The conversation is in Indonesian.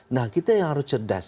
nah kita yang harus cerdas